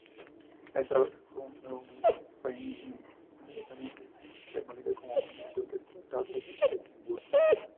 El trabajo nuevo fue inmediatamente demolido como condición del Tratado de Edimburgo.